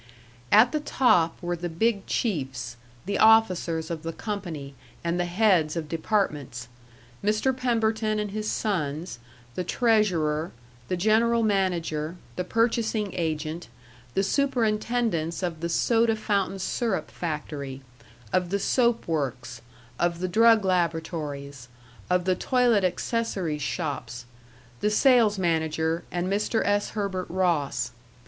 At the top were the big chiefs, the officers of the company, and the heads of departments Mr. Pemberton and his sons, the treasurer, the general manager, the purchasing agent, the superintendents of the soda fountain syrup factory, of the soap works, of the drug laboratories, of the toilet accessories shops, the sales manager, and Mr. S. Herbert Ross.